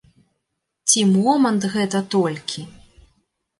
Ці момант гэта толькі?